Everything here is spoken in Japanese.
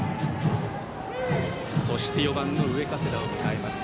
そして４番、上加世田を迎えます。